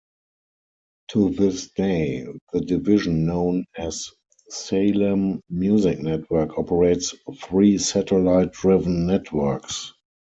To this day, the division known as "Salem Music Network" operates three satellite-driven networks.